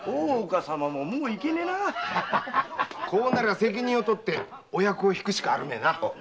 こうなりゃ責任を取ってお役を退くしかあるめえな。